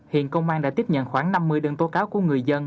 hiện công an đã tiếp nhận khoảng năm mươi đơn tố cáo của người dân